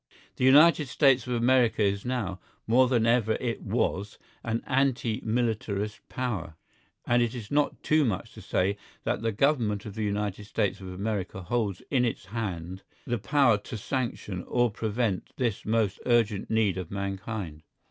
The United States of America is now, more than ever it was, an anti militarist Power, and it is not too much to say that the Government of the United States of America holds in its hand the power to sanction or prevent this most urgent need of mankind.